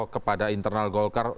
kepada internal golkar